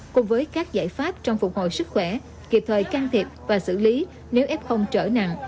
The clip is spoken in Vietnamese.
cùng với các giải pháp trong phục hồi sức khỏe kịp thời can thiệp và xử lý nếu f trở nặng